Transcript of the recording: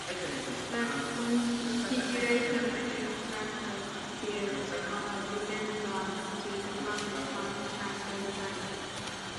The configuration of these tractors bears little resemblance to the classic farm tractor design.